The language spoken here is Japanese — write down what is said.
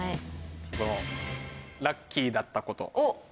ラッキーだったこと。